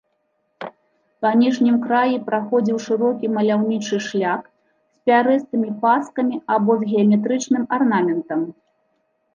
Па ніжнім краі праходзіў шырокі маляўнічы шляк з пярэстымі паскамі або з геаметрычным арнаментам.